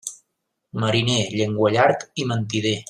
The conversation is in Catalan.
Mariner, llenguallarg i mentider.